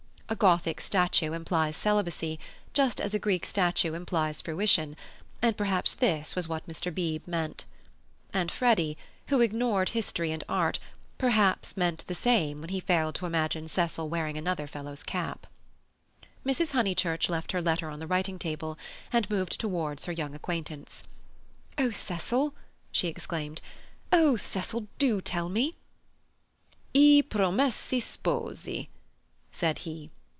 A Gothic statue implies celibacy, just as a Greek statue implies fruition, and perhaps this was what Mr. Beebe meant. And Freddy, who ignored history and art, perhaps meant the same when he failed to imagine Cecil wearing another fellow's cap. Mrs. Honeychurch left her letter on the writing table and moved towards her young acquaintance. "Oh, Cecil!" she exclaimed—"oh, Cecil, do tell me!" "I promessi sposi," said he.